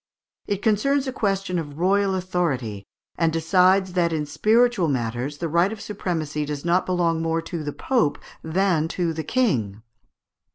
It concerns a question of royal authority, and decides that in spiritual matters the right of supremacy does not belong more to the Pope than to the King.